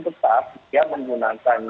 tetap dia menggunakan